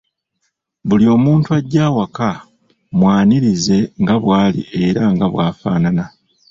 Buli omuntu ajja awaka mwanirize nga bwali era nga bwafaanana.